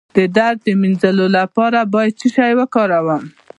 د درد د مینځلو لپاره باید څه شی وکاروم؟